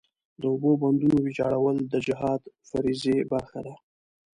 د اوبو بندونو ویجاړول د جهاد فریضې برخه ده.